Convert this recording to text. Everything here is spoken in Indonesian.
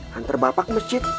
hantar bapak ke masjid